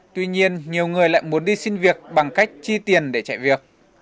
tuy nhiên nhiều người lại muốn đi xin việc bằng cách chi tiền để chạy việc